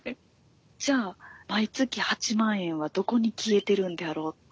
じゃあ毎月８万円はどこに消えてるんであろうって。